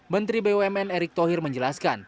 menteri bumn erick thohir menjelaskan